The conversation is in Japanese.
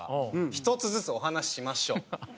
１つずつお話ししましょう。